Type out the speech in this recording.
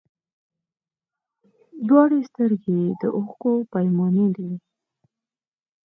دواړي سترګي یې د اوښکو پیمانې دي